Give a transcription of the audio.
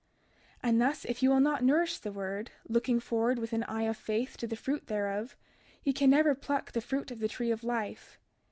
32:40 And thus, if ye will not nourish the word, looking forward with an eye of faith to the fruit thereof, ye can never pluck of the fruit of the tree of life.